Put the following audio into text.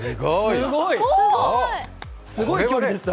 すごい距離でした。